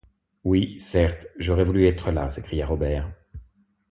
Oui, certes, j’aurais voulu être là! s’écria Robert.